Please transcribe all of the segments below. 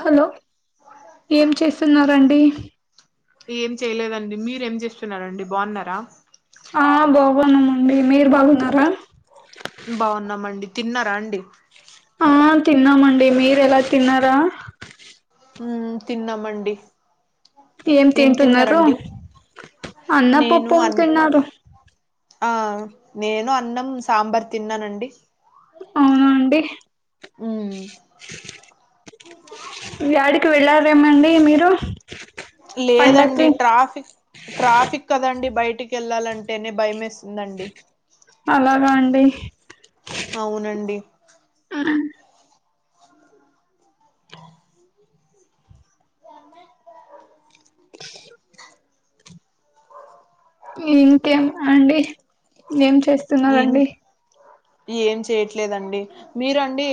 Hello ఏం చేస్తున్నారు అంది ఏం చేయలేదండి మీర ఏం చేస్తున్నారండి బాగున్నారా ఆ బాగునామ్ అండి మీరు బాగున్నారా బాగున్నామండి తిన్నారా అండి ఆ తిన్నామండి మీరు ఎలా తిన్నారా మమ్ తినమండి ఏం తింటున్నారు అన్న నేను పప్పుం అన్ తిన్నారు ఆ నేను అన్నం సాంబార్ తిన్నానండి అవునండి ఉ యాడికి వెళ్ళారేమండి మీరు లేదండి పండక్కి ట్రాఫిక్ ట్రాఫిక్ కదండి బాయ్ టికి వెళ్ళాలంటేనే భయం వేస్తుందండి. అలాగా అండి అవునండి. ఇంకేం అండి ఏం ఇం చేస్తున్నారండి. ఏం చేయట్లేదండి, మీరండి.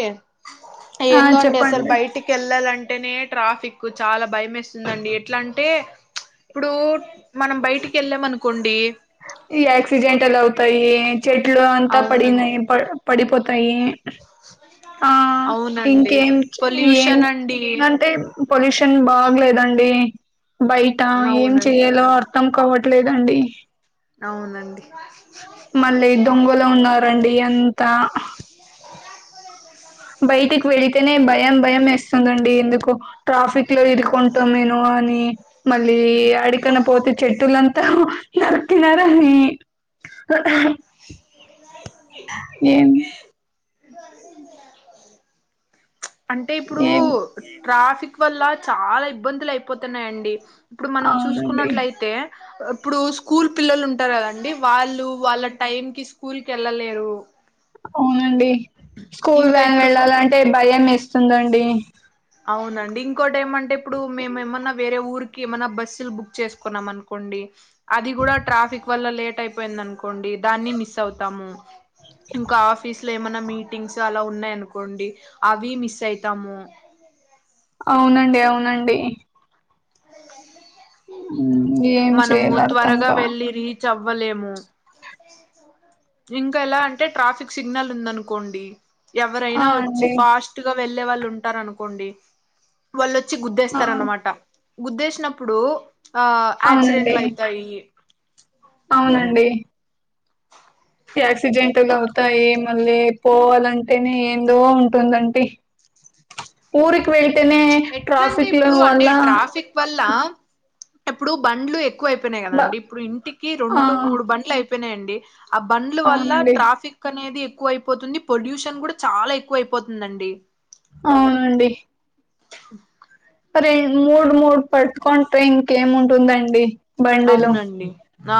ఆ ఏందో అండి అసలు చెప్పండి బయటికి వెళ్ళాలె వెంటనే ట్రాఫిక్ చాలా భయం ఎస్తుందండి, ఎట్లా అంటే ఇప్పుడు మనం బయటికి వెళ్ళాం అనుకోండి, ఈ యాక్సిడెంటల్ అవుతాయి, చెట్లు అంతా అవునండి పడినయి పడి పడిపోతాయి. ఆ అవునండి ఇంకేం ఏం ఏం పొల్యూషన్ అండి అంటే పొల్యూషన్ బాగ్లేదండి బయట ఏం అవునండి చెయాలో అర్థం కావట్లేదండి. అవునండి. మళ్ళీ దొంగలో ఉన్నరండి అంత బయటికి వెళితేనే భయం భయం వేస్తుందండి ఎందుకు ట్రాఫిక్ లో ఇరుకుంటా మేను కాని మళ్ళీ యాడికన్న పోతే చెట్టులంతా నరికినారు అని ఏమ్ అంటే ఇప్పుడు ఏం ట్రాఫిక్ వల్ల చాలా ఇబ్బందులు అయిపోతున్నాయండి. ఇప్పుడు మనం అవునండి చూసుకున్నట్లయితే ఇప్పుడు స్కూల్ పిల్లలు ఉంటారు కదండి వాళ్ళు వాళ్ళ టైం కి స్కూల్ కి ఎళ్ళలేరు. అవునండి స్కూల్ వ్యాన్ ఇప్పుడు ఫ వెళ్ళాలంటే భయం ఎస్తుందండి. అవునండి ఇంకోటి ఏమంటే ఇప్పుడు మేము ఎమన్నా వేరే ఊరికి ఏమన్నా బస్సులు బుక్ చేసుకున్నాం అనుకోండి అది కూడా ట్రాఫిక్ వల్ల లేట్ అయిపోయి ది అనుకోండి దాన్ని మిస్ అవుతాం ఇంకా ఆఫీస్ లో ఏమన్నా మీటింగ్స్ అలా ఉన్నాయి అనుకోండి అవి మిస్ అయితాము. అవునండి, అవునండి. ఏం మనము చేయాలో అర్థం త్వరగా కావు వెళ్ళి రి చ్ అవలేము ఇంకా ఎలా అంటే ట్రాఫిక్ సిగ్నల్ ఉందనుకోండి ఆ ఎవరైనా వచ్చి అండి ఫాస్ట్ గా వెళ్ళే వాళ్ళు ఉంటారు అనుకోండి వాళ్ళోచ్చి ఆ గుద్దేస్తారు అనమాట. గుద్దేసినప్పుడు ఆ అవునండి యాక్సిడెంట్లు అయితాయి. అవునండి యాక్సిడెంట్ల్ అవుతాయి మళ్ళీ పోవాలంటేనే ఏందో ఉంటుందండి ఊరుకి వె ఎట్లాంటే ఇప్పుడు అండి ట్రాఫిక్ వల్ల ఇప్పుడు బండ్లు ఎక్కువ అయిపోయినాయి బ కదండి, ఇప్పుడు ఇంటికి ఆ రెండు మూడు బండ్లు అయిపోయినాయండి. ఆ బండ్లు వల్ల అవునండి ట్రాఫిక్ అనేది ఎక్కువ అయిపోతుంది పొల్యూషన్ కూడా చాలా ఎక్కువ అయిపోతుందండి. అవునండి. రెం మూడు మూడు పటుకొని ట్రైన్ కి ఏము ఉంటుందండి బండిలు అవునండి ఆ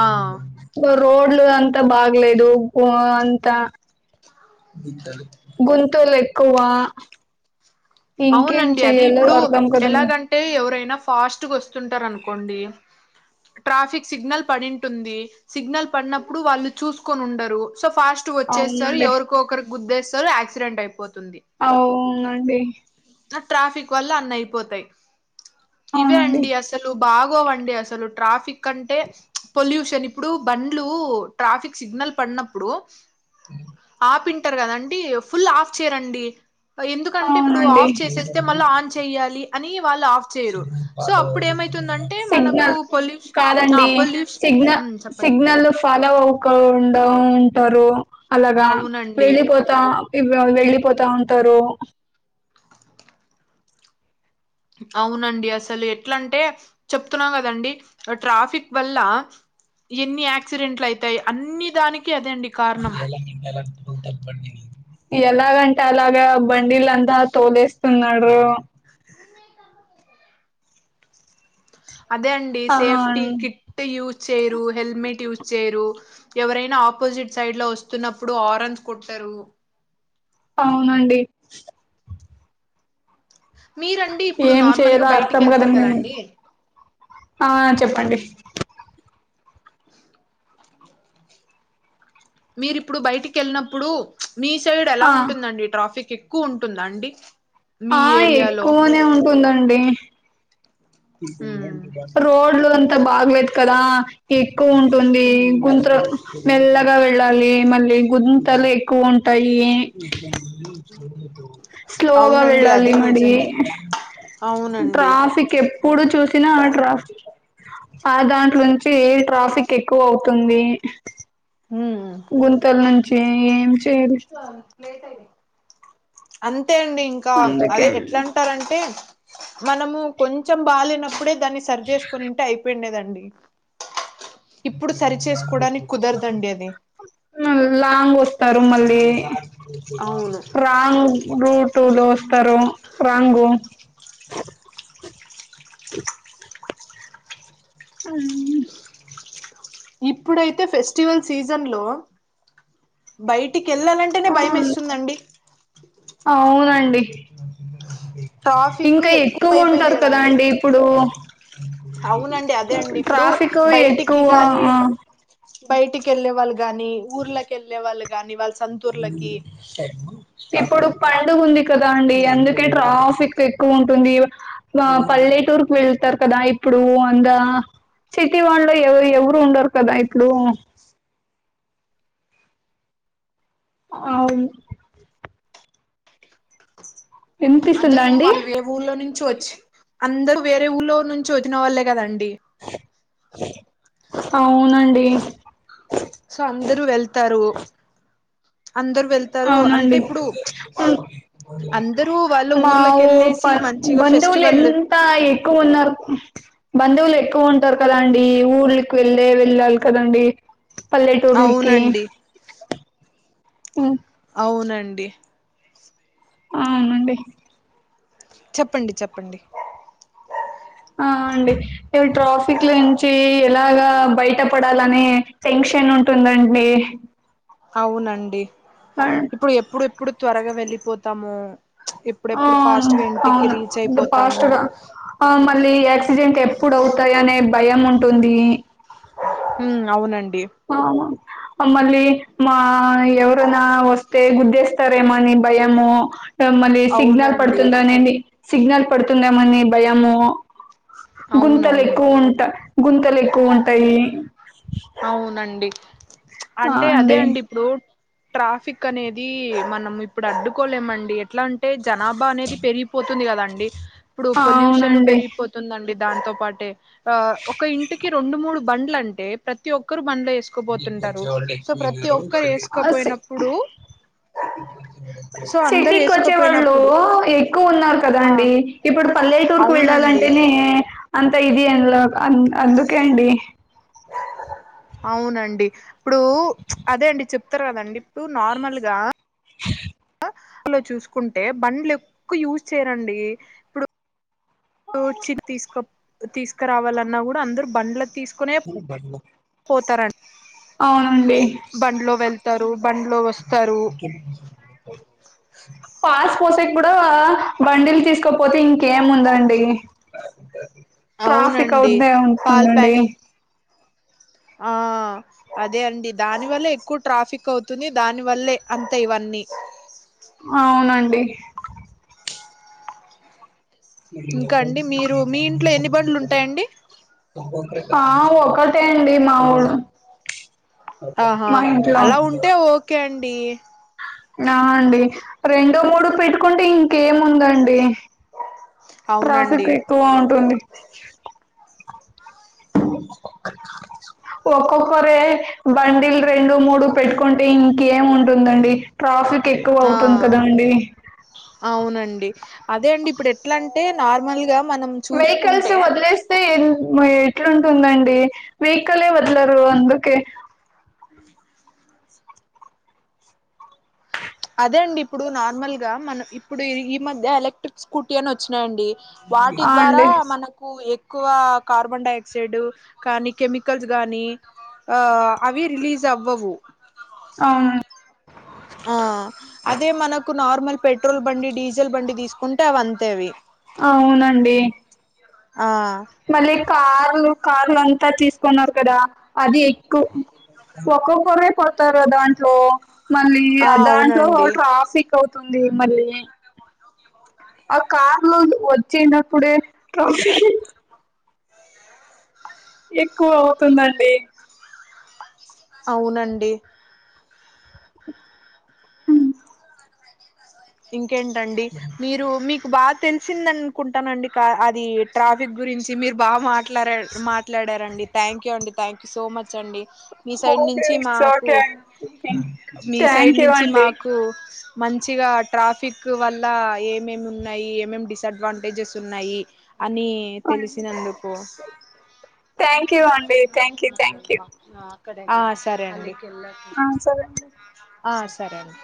రో రోడ్లు అంత బాగలేదు ఓ అంతా గుంతలు ఎక్కువ ఇంకేం అవునండి అదే చెయ్యాలో ఇప్పుడు అర్ధం కదండి ఎలాగంటే ఎవరైనా ఫాస్ట్గా వస్తుంటారు అను కొండి ట్రాఫిక్ సిగ్నల్ పడింటుంది సిగ్నల్ పడినప్పుడు వాళ్ళు చూసుకొని ఉండరు సో ఫాస్ట్ గా వచ్చేస్తరు అవునండి ఎవరికొ ఒకరికి గుద్దేస్తారు యాక్సిడెంట్ అయిపోతుంది అవునండి ఆ ట్రాఫిక్ వల్ల అన్ని అయిపోతయి ఇవే అవునండి అండి అసలు బాగోవండి అసలు ట్రాఫిక్ అంటే పొల్యూషన్ ఇప్పుడు బండ్లు ట్రాఫిక్ సిగ్నల్ పడినప్పుడు ఆపి వింటరు కదండి ఫుల్ ఆఫ్ చేయరండి ఎందుకంటే ఇప్పుడు అవునండి ఆఫ్ చేసేస్తే మళ్ళా ఆన్ చేయాలి అని వాళ్ళు ఆఫ్ చేయరు సో అప్పుడు ఏమైతుందంటే మనకు సిగ్నల్ పోల్యూషన్ ఆ కాదండి పోల్యుషన్ సిగ్నల్ సిగ్నల్ ఫాలో అవకం డ ఉంటరు అలాగా అవునండి వెళ్ళిపోతా వెళ్ళిపోతా ఉంటరు అవునండి అసలు ఎట్లా అంటే చెప్తున్న కదండి ట్రాఫిక్ వల్ల ఎన్ని యాక్సిడెంట్లు అయితాయి అన్ని దానికి అదే అండి కారణం [unintelligible] ఎలాగంటే అలాగ బండిలంతా తోలేస్తున్నారు అదే అండి ఆ సేఫ్టీ కిట్ యూజ్ చేయరు హెల్మెట్ యూస్ చేయరు ఎవరైనా ఆపోజిట్ సైడ్ లో వస్తున్నప్పుడు హరన్ కొట్టరు అవునండి మీరండి ఇప్పుడు ఏం నార్మల్ గా చేయలో బయటికి వెళ్తారు అర్థంకాదండి కదండి ఆ చెప్పండి మీరిప్పుడు బయటికి వెళ్ళినప్పుడు మీ సైడ్ ఎలా ఆ ఉంటుందండి ట్రాఫిక్ ఎక్కువ ఉంటుందా అండి మీ ఆ ఏరియాలో ఎక్కువనే ఉంటుందండి ఉమ్ రోడ్ అంత బాగలేదు కదా ఎక్కువ ఉంటుంది గుంతలు మెల్లగా గా వెళ్ళాలి మళ్ళీ గుంతలు ఎక్కువ ఉంట వుంటాయి స్లోగా అవునండి వెళ్ళాలి అది మరి నిజమే అవునండి ట్రాఫిక్ ఎప్పుడు చూసినా ఆ ట్రాఫికే ఆ దాంట్లో నుంచి ట్రాఫిక్ ఎక్కువ అవుతుంది ఉమ్ గుంతల నుంచి ఏం చేయాలి అంత అంతే అండి ఇంకా అందుకే అది ఎట్లా అంటారంటే మనము కొంచెం బాలేనప్పుడే దాన్ని సరి చేసుకొని ఉంటే అయిపోయిండేదండి ఇప్పుడు సరి చేసుకోవడానికి కుదరదండి అది లాంగ్ వస్తరు మళ్ళీ ల్లి అవును రాంగ్ రూట్ టూలో వస్తరు రాంగు ఆ ఇప్పుడైతే ఫెస్టివల్ సీజన్ లో బయట టికి వేళ్ళాలంటేనే భయం వేస్తుందండి అవునండి ఇంకా ఎక్కువ ఉంటారు కదా అండి ఇప్పుడు అవునండి అదే అండి ఇప్పుడు ట్రాఫిక్ ఎక్కువ ఆ బయటికెళ్లేే వాళ్ళు గాని ఊర్లకెళ్ళే వాళ్ళు గాని వాల్ ఇప్పుడు పండుగుంది కదా అండి అందుకే ట్రాఫిక్ ఎక్కువ ఉంటుంది. వా పల్లెటూర్క్ వెళ్ చేస్తార్ కదా ఇప్పుడూ అందా సిటీ వాళ్ళు ఎవ ఎవరు ఉండరు ఇప్పుడూ అవున్ వినిపిస్తుందా అందరూ అండి వాళ్ళు వే ఊర్లో నుంచ్ వచ్ అందరు వేరే ఊళ్ళో నుంచి వచ్చిన వాళ్ళే కదండి అవునండి సో అందరు వెళ్తారు. అంటే అవునండి ఇప్పుడు అందరూ వాళ్ళ మా ఊర్లకి ఊర్ వెళ్ళేసి ప మంచిగా బంధువులు ఫెస్టివల్ ఎంత ఎక్కు ఉన్నారు బంధువులు ఎక్కువ ఉంటారు కదా అండి ఊర్ళకి వెళ్ళే వెళ్ళాలి కదండి. పల్లెటూర్లికి అవునండి అవునండి ఆ అండి చెప్పండి చెప్పండి ఆ అండి ట్రాఫిక్ నుంచి ఎలాగా బయట పడాలనే టెన్షన్ ఉం ఉంటుందండి. అవునండి ఆ ఇప్పుడు ఎప్పుడు ఇప్పుడు త్వరగా వెళ్ళిపోతాము ఆ అవును అవును ఫాస్ట్ అయిపోతాము రా ఆ మళ్ళీ యాక్సిడెంట్ ఎప్పుడు అవుత తాయి అనే భయం ఉంటుంది. మ్ అవునం ఆవ అ మళ్ళీ మా ఎవరనా వస్తే గుద్దేస్తారేమనీ భయము మళ్ళీ సిగ్నల్ అవునండి పడుతుందనేది సిగ్నల్ పడుతుందేమో అని భయము గుంతల్ అవునవును ఎక్కువ ఉంట గుంతల్ ఎక్కు ఉంటాయి. అవునండి అంటే అదే అండి ఇప్పుడు ట్రాఫిక్ అనేది మనం ఇప్పుడు అడ్డుకోలేమండి ఎట్లా అంటే జనాభా అనేది పెరిగిపో పోతుంది కదండి ఇప్పుడు పొల్యూషన్ అవునండి పెరిగిపోతుందండి దాంతో పాటే ఆ ఒక ఇంటికి రొండు, మూడు బండ్లు అంటే ప్రతి ఒక్కరు బండ్లో ఏస్కోపోతుంటారు సో ప్రతి ఒక్కరు ఏస్పోపోయినప్పుడు సిటీక్ వచ్చే వాళ్ళు వేసుకోపోయినప్పుడు ఎక్కువ ఉన్నారు ఆ కదండి ఇప్పుడు పల్లెటూర్కు అవునండి వెళ్ళాలంటేనే అంత ఇది అందులో అం అందుకే అండి అవునండి ఇప్పుడు అదే అండి చెప్తారు కదండి ఇప్పుడు నార్మల్గా అలా చూస్కుంటే బండ్లు ఎక్కు యూస్ చేయరండి ఇప్పుడు [unintelligible] తీస్కరావాలన్నా గుడా అందరు బండ్ల తీస్ కునే పోతారం అవునండి బండ్లో వెళ్ తారు బండ్లో వస్తారు. పాస్ పోసే కూడా బండిల్ తీస్కపోతే ఇంకేముందండి ట్రాఫిక్ అవునండి అవుద్ద పాల్ ఉంటుందండి. ప్యాక్ ఆ అదే అండి దాని వల్లే ఎక్కు ట్రాఫిక్ అవుతుంది దాని వల్లే అంత ఇవన్ న్నీ అవునండి ఇంకా అండి మీరు మీ ఇంట్లో ఎన్ని బండ్లు ఉంటాయండి ఆ ఒకటే అండి మాముూల్ ఆహా అలా ఉంటే ఒకే అండి. నా అండి రెండు మూడు పెట్టుకుంటే ఇంకేముందండి. ట్రాఫిక్ అవునండి ఎక్కువ ఉంటుంది. [unintelligible] ఒక్కొక్కరే బండిలు రెండు మూడు పెట్టుకుంటే ఇంకేం ఉంటుందండి ట్రాఫీక్ ఎక్కువ అవుతుంది ఆ కదా అండి అవునండి అదే అండి ఇప్పుడు ఎట్ల అంటే నార్మల్ గా మనం వెహికల్స్ చూసుకుంటే వదిలేస్తే ఎన్ మా ఎట్లుంటుందండి వెహికలే వదలరు అందుకే అదే అండి ఇప్పుడు నార్మల్ గా మన ఇప్పుడు ఈ మధ్య ఎలక్ట్రిక్ స్కూటీ అని వచ్చినాయండి. వాటి ఆ ద్వారా అండి మనకు ఎ ఎక్కువ కార్బన్ డైక్సైడ్ కానీ కెమికల్స్ గానీ అ అవి రిలీజ్ అవ్వవు అవును ఆ అదే మనకు నార్మల్ పెట్రోల్ బండి డీజిల్ బండి తీసుకుంటే అవి అంతే అవి అవునండి ఆ మళ్ళీ కార్లు కార్ల అంతా తీసుకున్నారు కదా అది ఎక్కు ఒక్కొక్కరే పోతారా దాంట్లో మళ్ళీ ఆ దాంట్లో ట్రాఫిక్ అవుతుంది మళ్ళీ ఆ కార్ లోను వచ్చనప్పుడే ట్రాపీ ఎక్కువ అవుతుందండి అవునండి మ్ ఇంకేంటండి మీరు మీకు బా తెలిసింద అనుకుంటానండి క అది ట్రాఫిక్ గురించి మీరు బాగా మాట్ ట్లార మాట్లాడారండి థ్యాంక్ యూ అండి థ్యాంక్ యూ సో మచ్ అండి మీ సైడ్ ఓకే నించి ఇట్స్ మాకు ఓకే మీ సైడ్ థ్యాంక్ యూ నించి అండి మాకు మంచిగా ట్రాఫిక్ వల్ల ఏమేమేం ఉన్నాయి ఏమేమేం డిసడ్వాంటేజెస్ ఉన్నాయి అని తెలిసినందుకు థ్యాంక్ యూ సందేహం అండి థ్యాంక్ యూ థ్యాంక్ యూ సరిపోయిందా [unintelligible] ఆ సరే అండి సరే అండి ఆ సరే అండి